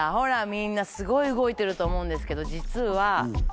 みんなすごい動いてると思うんですけど実は。